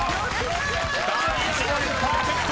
［第１問パーフェクト！］